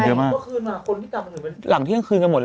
พอที่คนมาคนที่ตามเป็นลังเที่ยงคืนกันหมดเลย